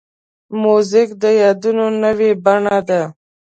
موزیک د یادونو نوې بڼه ده.